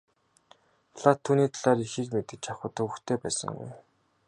Платт түүний талаар ихийг мэдэж авахад төвөгтэй байсангүй.